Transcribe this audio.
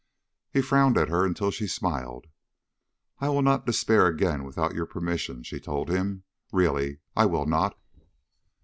He frowned at her until she smiled. "I will not despair again without your permission," she told him. "Really. I will not."